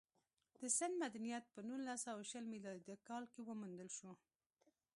د سند مدنیت په نولس سوه شل میلادي کال کې وموندل شو